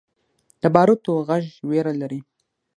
د باروتو غږ ویره لري.